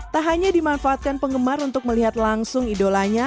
tak hanya dimanfaatkan penggemar untuk melihat langsung idolanya